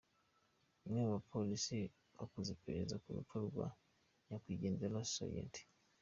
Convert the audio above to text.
Umwe mu bapolisi bakoze iperereza ku rupfu rwa nyakwigendera ,Sgt.